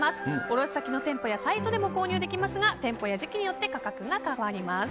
卸先の店舗やサイトでも購入できますが店舗や時期によって価格が変わります。